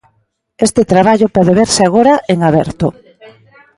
Este traballo pode verse agora en aberto.